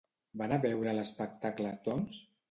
Va anar a veure l'espectacle, doncs?